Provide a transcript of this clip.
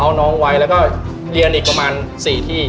เอาน้องไว้ก็เรียนอีกกว่ามาร์๔ที่